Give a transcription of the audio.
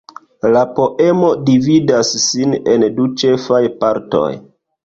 La poemo dividas sin en du ĉefaj partoj.